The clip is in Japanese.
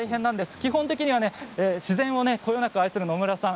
基本的には自然をこよなく愛する野村さん